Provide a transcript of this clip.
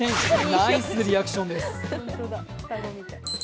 ナイスリアクションです。